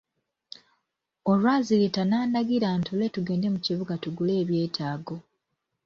Olwazireeta n'andagira ntuule tugende mu kibuga tugule ebyetaago.